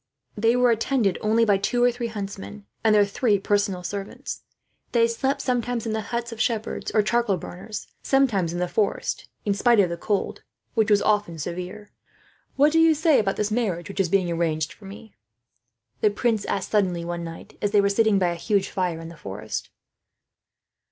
They were attended only by two or three huntsmen, and their three personal servants. They slept sometimes in the huts of shepherds, or charcoal burners; sometimes in the forest, in spite of the cold, which was often severe. "What do you say about this marriage which is being arranged for me?" the prince asked suddenly, one night, as they were sitting by a huge fire in the forest.